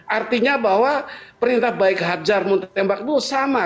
artinya bahwa perintah baik hajar muntah tembak itu sama